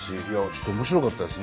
ちょっと面白かったですね。